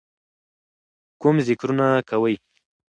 کوم ذِکرونه کوئ،